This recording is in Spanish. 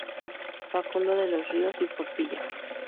Facundo de los Ríos y Portilla.